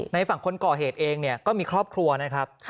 ในฝั่งคนก่อเหตุเองเนี่ยก็มีครอบครัวนะครับ